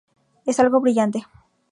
Es algo brillante.